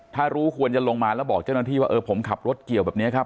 ถ้ารู้ควรจะลงมาแล้วบอกเจ้าหน้าที่ว่าเออผมขับรถเกี่ยวแบบนี้ครับ